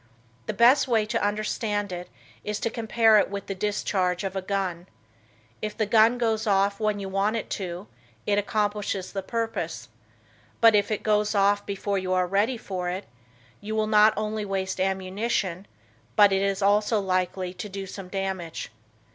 The best way to understand it is to compare it with the discharge of a gun. If the gun goes off when you want it to, it accomplishes the purpose, but if it goes off before you are ready for it, you will not only waste ammunition, but it is also likely to do some damage.